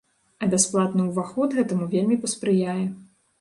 А бясплатны ўваход гэтаму вельмі паспрыяе.